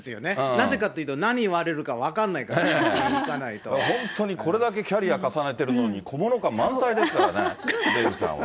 なぜかというと、何言われるか分本当にこれだけキャリア重ねてるのに、小物感満載ですからね、デーブさんは。